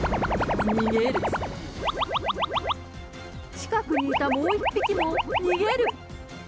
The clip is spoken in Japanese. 近くにいたもう一匹も逃げる。